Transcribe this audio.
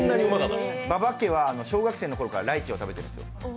馬場家は小学生の頃からライチを食べていたんですよ。